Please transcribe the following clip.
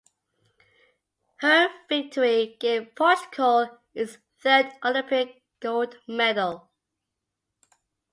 Her victory gave Portugal its third Olympic gold medal.